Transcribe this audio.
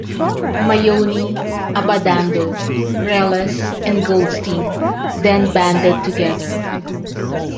Maione, Abbandando, Reles, and Goldstein then banded together.